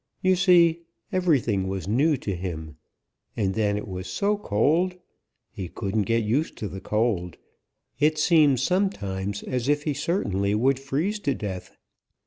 You see, everything was new to him. And then it was so cold! He couldn't get used to the cold. It seemed sometimes as if he certainly would freeze to death.